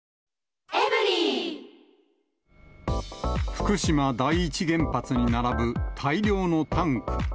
福島第一原発に並ぶ大量のタンク。